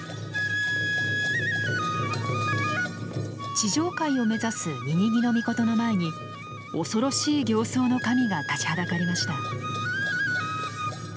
地上界を目指す瓊瓊杵尊の前に恐ろしい形相の神が立ちはだかりました。